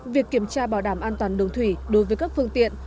việc kiểm tra bảo đảm an toàn đường thủy đối với các phương tiện